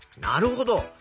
なるほど。